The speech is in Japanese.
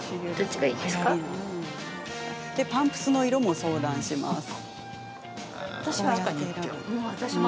パンプスの色も相談します。